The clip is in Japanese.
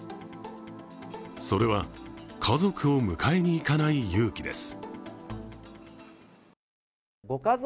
それは、家族を迎えに行かない勇気です。